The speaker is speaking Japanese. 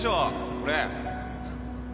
これ